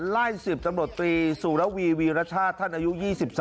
ไล่๑๐ตำรวจตีศูอลาวีวีรชาติท่านอายุ๒๓ปี